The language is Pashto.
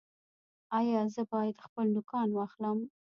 ایا زه باید خپل نوکان واخلم؟